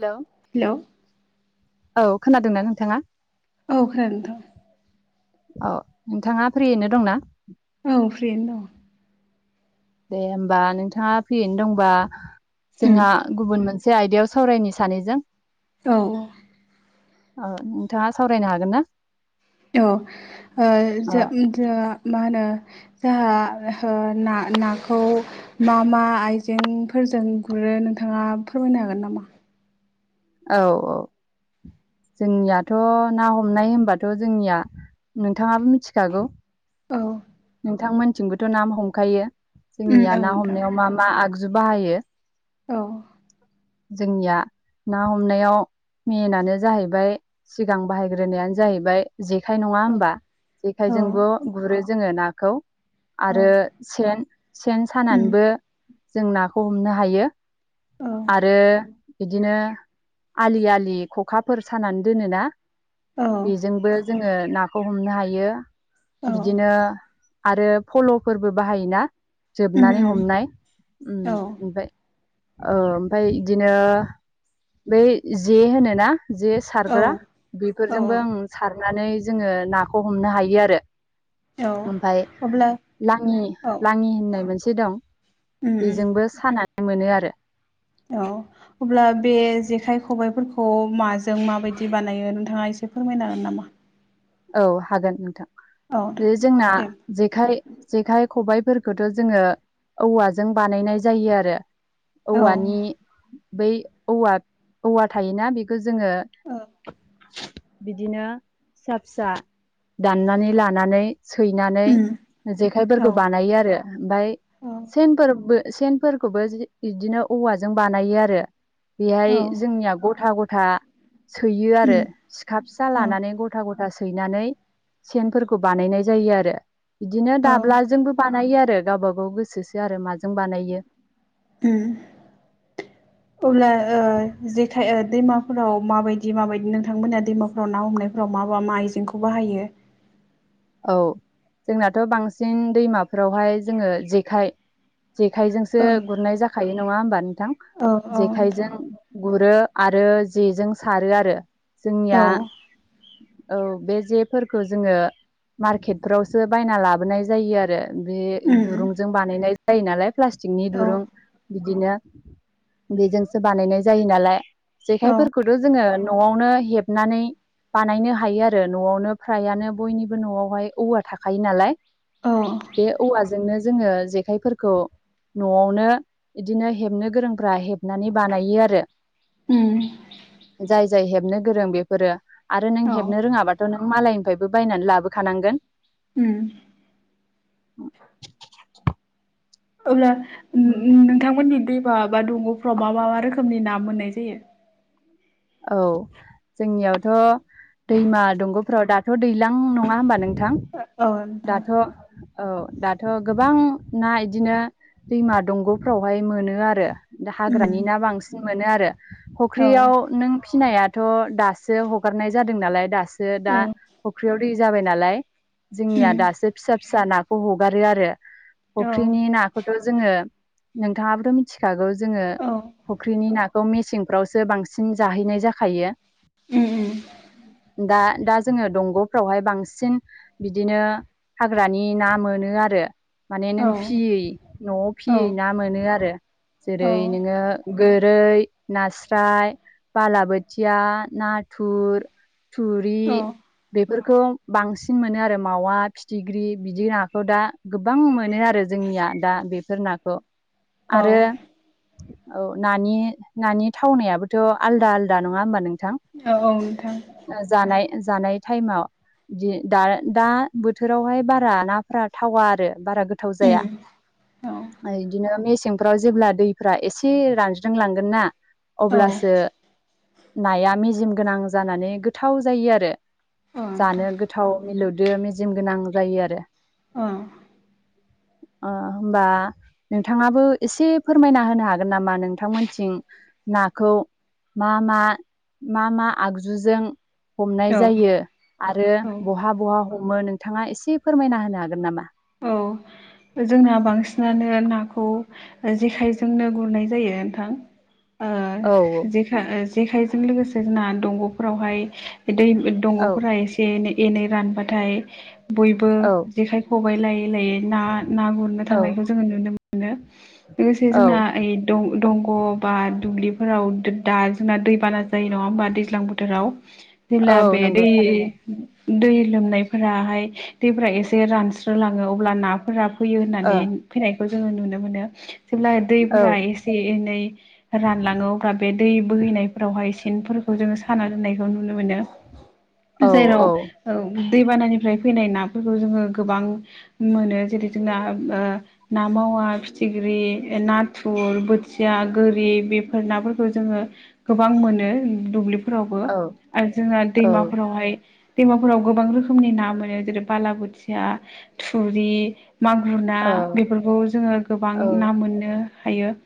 Hello. Hello. औ खोनादोंना नोंथाङा। औ खोनादों नोंथां। औ नोंथाङा फ्रियैनो दंना। औ फ्रियैनो दं। दे होमबा नोंथाङा फ्रियैनो दंबा दं जोंहा गुबुन मोनसे मोनसे आयदायाव सावरायनो सानैजों। औ। ओ नोंथाङा सावरायनो हागोन ना। औ ओ अ जों मा होनो जाहा [unintelligible] ना-नाखौ मा मा आइजेंफोरजों गुरो नोंथाङा फोरमायनो हागोन नामा? औ औ जोंनियाथ' ना हमनाय होनबाथ' जोंनिया नोंथाङाबो मिथिखागौ औ नोंथां मोनिथिंबोथ ना हमखायो। उम जोंनिया औ ना नोंथां हमनायाव मा मा आगजु बाहायो। औ। जोंनिया ना हमनायाव। मेनानो जाहैबाय सिगां बाहायग्रोनायानो जाहैबाय। जेखाइ नङा औ होमबा औ जेखाइजोंबो गुरो जोङो नाखौ। औ आरो सेन सेन उम सानानैबो जों नाखौ हमनो हायो। औ आरो बिदिनो। आलि आलि खखाफोर सानानै दोनोना। औ बेजोंबो जोङो नाखौ हमनो हायो बिदिनो। आरो फलफोरबो बाहायोना उम जोबनानै उम हमनाय उम्म औ ओमफाय औ ओमफाय इदिनो बै जे होनोना। जे औ सारग्रा औ बेफोरजोंबो उम्म सारनानै जोङो नाखौ हमनो हायो आरो। औ ओमफाय अब्ला लाङि औ लाङि होननाय मोनसे दं। उम उम बेजोंबो सानानै मोनो आरो। औ अब्ला बे जेखाइ खबाइफोरखौ माजों माबायदि बानायो नों। थाङा एसे फोरमायनो हागोन नामा। औ हागोन नोंथां औ बे जोंना दे जेखाय जेखाय। खबायफोरखौथ जोङो औवाजों बानायनाय जायो आरो। औ औवानि बै औवा औवा थायोना बेखौ। जोङो औ बिदिनो। फिसा फिसा दाननानै लानानै। सैनानै जेखाइफोरखौ बानायो आरो ओमफाय औ सेनफोरबो। सेनफोरखौबो इदिनो औवाजों बानायो आरो औ बेहाय जोंनिया गथा ग। था सैयो आरो सिखा फिसा लानानै गथा गथा सैनानै। सेनफोरखौ बानायनाय जायो आरो। बिदिनो औ दाब्लाजोंबो बानायो आरो गावब गाव गोसोसो आरो माजों बानायो। उम्म अब्ला ओ जेखाय। दैमाफोराव माबायदि माबायदि नोंथांमोना दैमाफोराव ना हमनायफोराव मा मा मा आइजेंखौ बाहायो। [inaudible] औ जोंनाथ बांसिन दैमाफोरावहाय जोङो जेखाइ। जेखाइजोंसो ओ गुरनाय जाखायो नङा होमबा नोंथां औ औ जेखाइजों गुरो। आरो जेजों सारो आरो औ जोंनिया। औ बे जेफोरखौ जोङो मारकेटफ्रावसो बायना लाबोनाय जायो आरो। बे दुरुंजों बानायनाय जायो नालाय प्लास्टिकनि औ दुरुं बिदिनो। बेजोंसो बानायनाय जायो नालाय जेखायफोरखौथ जोङो न'आवनो। हेबनानै बानायनो हायो आरो नआवनो फ्रायानो बयनिबो। न'आवहाय औवा थाखायो नालाय औ बे औवाजोंनो जोङो जेखाइफोरखौ न'आवनो इदिनो हेबनो गोरोंफ्रा हेबनानै बानायो आरो उम जाय जाय हेबनो गोरों बेफोरो आरो नों औ हेबनो रोङाबाथ' नों मालायनिफ्रायबो बायनानै लाबोखानांगोन उम [unintelligible] अब्ला नों थांमोननि दे बा दंगफ्राव मा मा मा रोखोमनि ना मोननाय जायो। औ जोंनियावथ' दैमा दंगफ्राव दाथ' दैलां नङा होमबा नोंथां औ नोंथां दाथ' औ दाथ' गोबां ना इदिनो दैमा दंगफ्रावहाय मोनो आरो दा हाग्रानि उम ना बांसिन मोनो आरो औ फुख्रियाव नों फिनायाथ' दासो हगारनाय जादों नालाय दासो दा उम फुख्रियाव दै जाबाय नालाय [inaudible] औ फुख्रिनि नाखौथ' जोङो नोंथाङाबोथ' मिथिखागौ जोङो उम फुख्रिनि नाखौ मेसेंफ्रावसो बांसिन जाहैनाय जाखायो। उम दा दा जोङो दंग'फ्रावहाय बांसिन बिदिनो हाग्रानि ना मोनो आरो माने नों औ फियै न'आव फियै ना मोनो आरो औ जेरै नोङो गोरै नास्राय बालाबोथिया नाथुर थुरि औ बे फोरखौ बांसिन मोनो आरो मावा फिथिख्रि बिदि नाखौ दा गोबां मोनो आरो जोंनि निया दा बेफोर नाखौ औ आरो औ नानि नानि थावनायाबो थ' आलदा आलदा नङा होमबा नों औ औ नोंथां जानाय टाइमाव दा दा बोथोरावहाय बारा नाफोरा थावा आरो बारा गोथाव जाया उम औ बिदिनो मेसें फोराव जेब्ला दैफ्रा एसे रानज्रिंलांगोन ना औ अब्लासो नाया मेजेम गोनां जानानै गोथाव जायो आरो नोंथां जानो गोथाव मिलौदो मेजेम गोनां जायो आरो ओं अ होमबा नोंथाङाबो एसे फोरमायना होनो हागोन नामा नोंथांमोनथिं नाखौ मा मा मा मा आगजुजों हमनाय जायो आरो औ बहा बहा हमो नोंथाङा एसे फोरमायना होनो हागोन नामा? औ जोंना बांसिनानो नाखौ जेखायजोंनो गुरनाय जायो नोंथां ओ औ जेखा जेखाइजों लोगोसे जोंना दंग'फोरावहाय दै औ दंग'फोरा एसे एनै एनै रानबाथाय बयबो औ जेखाइ खबाइ लायो। हिलाय ना ना गुरनो औ थांनायखौ जोङो नुनो मोनो लोगोसे औ जोंना इ दं दं ग' बा दुब्लिफोराव दो दा जोंना दैबाना जायो नङा होमबा दैज्लां बोथोराव? जेब्ला औ बे नंगौ दै थारैनो उम दै लोमनायफोराहाय दैफोरा एसे रानस्रोलाङो अब्ला नाफोरा फैयो ओ होननानै फैनायखौ जोङो नुनो मोनो। जेब्ला औ दैफोरा एसे एनै रानलाङो अब्ला बे दै बोहैनायफोरावहाय स सेनफोरखौ जोङो साना दोननायखौ नुनो मोनो औ जेराव औ ओ उन दैबानानिफ्राय फैनाय नाफोरखौ जोङो गोबां मोनो जेरै जोंना ओम ओ ना मावा फिथिख्रि ओ नाथुर बोथ थिया गोरि बेफोर नाफोरखौ जोङो गोबां मोनो दुब्लिफ फोरावबो औ आरो जोंना औ दैमाफोरावहाय दैमाफोराव गोबां रोखोमनि ना मोनो जेरै बालाबोथिया थुरि मागुर ना औ बेफोरखौ जोङो गोबां ओ ना मोननो हायो। सो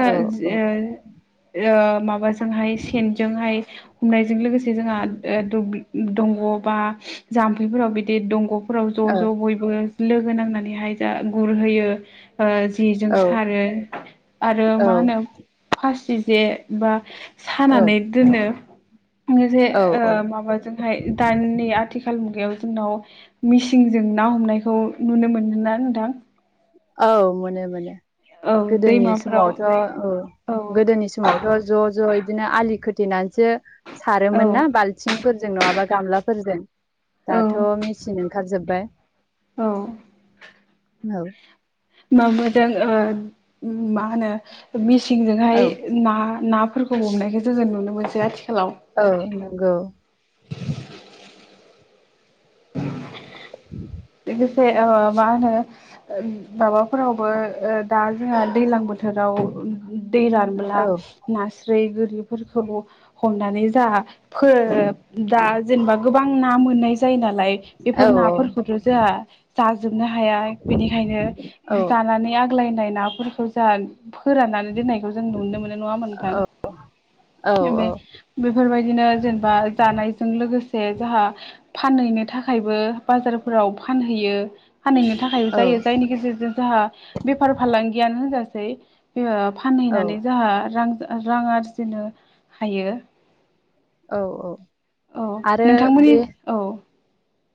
औ औ ओ ओ माबाजोंहाय सेनजोंहाय हमनायजों लोगोसे जोंहा ओ दुबलि उम दंग'आव बा जाम्फैफोराव बिदि दंग'फ फोराव ज' ज' बयबो लोगो नांनानैहाय जा गुरहैयो। ओ जेजों सारो आरो मा होनो खासिज जे बा औ सानानै दोनो। आङो जे औ ओ औ माबाजोंहाय दानि आथिखाल मुगायाव ज जोंनाव मिसिंजों ना हमनायखौ नुनो मोनो ना नोंथां? औ मोनो मोनो। औ गोदोनि दैमाफोराव समावथ' ओ औ गोदोनि समावथ' ज' ज'य बिदिनो आलि खोथेनानैसो औ सारोमोन ना बाल्थिंफोरजों नङाबा गामलाफोरजों औ दाथ' मेचिन ओंखारजोब्बाय। औ नौ माबादों ओ मा होनो मिसिंजोंहाय औ ना ना फोरखौ हमनायखो जोङो नुनो मोनसै आथिखालाव। औ नंगौ। [inaudible] लोगोसे ओ मा होनो होन माबाफोरावबो ओ ओ दा जोंहा दैलां बोथ थोराव ओ ओ दै रानब्ला औ नास्रै गोर रिफोरखौ हमनानै जा फोरोब दा जेनेबा गोबां ना मोननाय जायो नाल लाइ औ बेफोर नाफोर जोहा जाजोबनो हाया इ औ बेनिखायनो जानानै आग ग्लायनाय नाफोरखौ जाहा फोराननानै दोननायखौ जों नुनो मोनो नङा होनबा नोंथां? औ बे बेफोरबायदिनो जेनेबा जानायजों लोगोस से जाहा फानहैनो थाखायबो बाजारफोराव फानहैयो। फानहैनो थाखायबो औ जायो जायनि गेजेरजों जाहा बेफार फालांगियानो होनजासै। यो फानहैनानै जाहा रां ओ रां आरजिनो हायो। औ औ औ आरो बे नोंथांमोननिस औ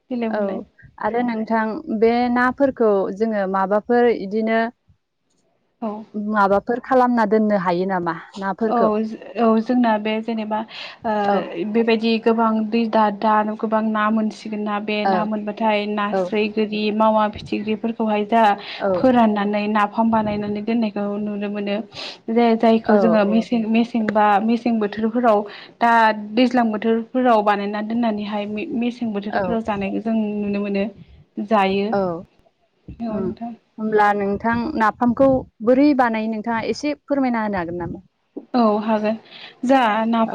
देलाय औ बुंलाय आरो नों थां बे नाफोरखौ जोङो माबाफोर इदिनो औ उ माबाफोर खालामना दोननो हायो नामा? औ नाफोरखौ जो औ जोंना बे जेनेबा ओ औ इ बेबायदि गोबां दै दा दानो गोबां ना मोनस सिगोन ना बे औ ना मोनबाथाय औ नास्रै, गोरि, मावा फिथिख्रिफोरखौहाय जाहा औ फोरानना नै नाफाम बानायनानै दोन्नायखौ नुनो मोनो जायोथाय जोङो औ मेसें मेसें बा मेसें बोथोरफोराव दा दैज्लां बोथोरफोराव बानायनानै दोननानैहाय मेसें औ बोथोरफोराव जानाय जों नुनो मोनो जायो। ओ औ नोंथां होमल्बा नोंथां नाफामखौ बोरै बानाय नोंथाङा एसे फोरमायना होनो हागोन नामा। औ हागोन जा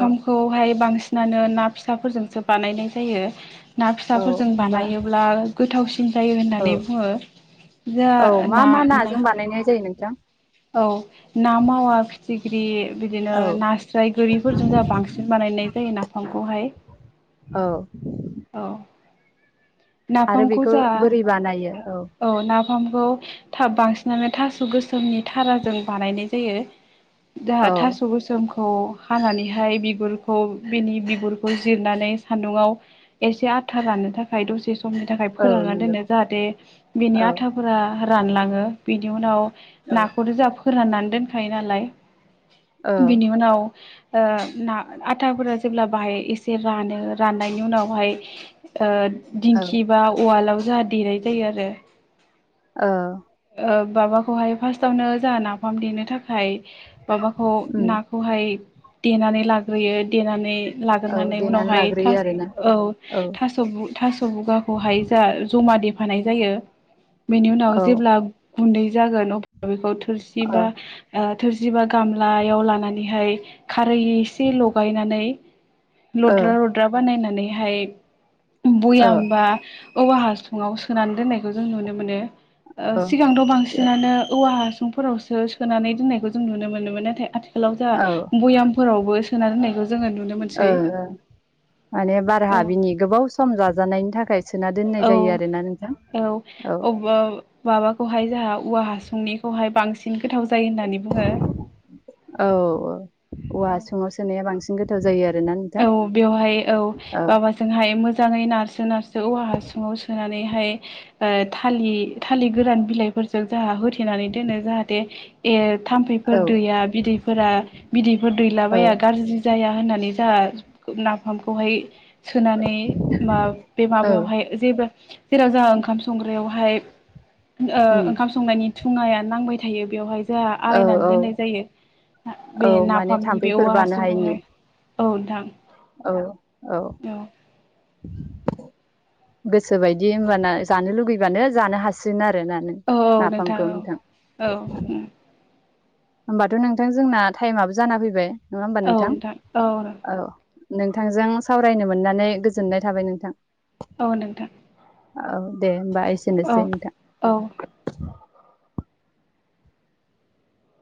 औ बांसिन बिसिनानो ना फिसाफोरजोंसो बानायनाय जायो ना औ फिसाफोरजों होमबा बानायोब्ला गोथावसिन जायो औ होननानै बुङो औ मा जोंङा मा ओ ना नाजों बानायनाय जायो नोंथां? औ ना मावा फि फिग्रि बिदिनो औ नास्राय गोरिफोरजों जोंहा बांसिन बानायनाय जायो नाफामखौहाय। औ औ आरो नाफामखौ बेखौ जोंहा बोरै बानायो औ नाफ ओगौ बांसिनानो थास' गोसोमनि थाराजों बानायनाय जायो। दाहा औ थास' गोसोम ओ हानानैहाय बिगुरखौ बेनि बिगुरखौ जिरनानै सान्दुंआव एसे आथा रानो थाखाय दसे समनि थाखाय औ फोराननानै नंगौ दोनो जाहाथे बिनि औ आथाफोरा रानलाङो बिनि उनाव औ नाखौथ' जोंहा फोराननानै दोनखायो नालाय बिनि उनाव ओ ना आथाफोरा जेब्ला बाहाय एसे रानो राननायनि उनावहाय ओ औ दिंखि बा उवालाव जाहा देनाय जायो आरो। ओ ओ माबाखौहाय फार्स्टावनो जाहा नाफाम देनो थाखाय माबाखौ उम नाखौहाय देनानै लाग्रोयो देनानै औ लाग्रोनानै देनानै उनावहाय लाग्रोयो थास आरोना औ थास' थास' बुगाखौहाय जा जमा देफानाय जायो बेनि उनाव औ जेब्ला गुन्दै जागोन अब्ला बेखौ थोरसि ओ बा थोरसि बा गामलायाव लानानैहाय खारै एसे लगायनानै लद्रा लद्रा बानायनानैहाय बयाम बा औवा हासुङाव सोनानै दोननायखौ जों नुनो मोनो। ओ औ सिगांथ' बांसिनानो औवा हासुं फोरावसो सोनानै दोननायखौ जों नुनो मोनोमोन नाथाय आथिखालाव औ जोंहा भयामफोरावबो सोना दोननायखौ जोङो नुनो ओ मोनसै माने बार औ हाबिनि गोबाव सम जाजानायनि थाखाय सोना दोननाय औ जायो आरोना नोंथां औ औ अबा माबाखौहाय जाहा औवा हासुंनिखौहाय बांसिन गोथाव जायो होननानै बुङो। औ औ औवा औ हासुङाव सोनाया बांसिन गोथाव जायो आरो। औ बेवहाय औ बाबाजोंहाय मोजाङै नारसि नारसो नारसो औवा हासुङाव सोनानै ओ थालि थालिर गोरान बिलाइफोरजों जाहा होथेनानै दोनो जाहाथे ए औ थाम्फैफोर दैया बिदैफोरा बिदैफोर औ दैलाबाया गाज्रि जाया होननानै। जाहा नाफामखौहाय सोनानै मा बे औ माबायावहाय जेबो जेराव जोंहा ओंखाम संग्रायावहाय ओ उम ओंखाम संनायनि थुङाया नांबाय थायो बेवहाय जाहा औ आरलायनानै औ दोननाय जायो औ बे माने नाफामनि बे थाम्फैफोर औवा बानो हायिनि हासुंखौहाय। औ नोंथां। औ औ गोसो बायदि होनबाना जानो लुगैबानो जानो हासिगोन आरो। नानै औ नाफामखौ नोंथां। औ होमबाथ' नोंथां जोंना टाइमाबो जाना फैबाय नङा होमबा औ नोंथां औ औ। नोंथांजों सावरायनो मोननानै गोजोननाय थाबाय नोंथां। औ नोंथां। औ दे होमबा औ एसेनोसै नोंथां। औ